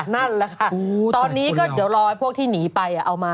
นั่นแหละค่ะตอนนี้ก็เดี๋ยวรอให้พวกที่หนีไปเอามา